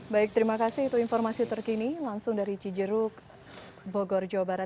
baik terima kasih itu informasi terkini langsung dari cijeruk bogor jawa barat